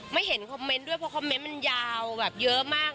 ไม่เห็นคอมเมนต์ด้วยเพราะคอมเมนต์มันยาวแบบเยอะมาก